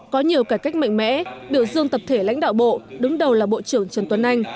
có nhiều cải cách mạnh mẽ biểu dương tập thể lãnh đạo bộ đứng đầu là bộ trưởng trần tuấn anh